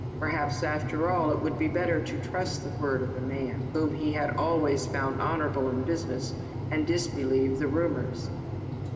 Perhaps, after all, it would be better to trust the word of a man, whom he had always found honorable in business, and disbelieve the rumors.